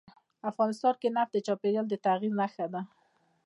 افغانستان کې نفت د چاپېریال د تغیر نښه ده.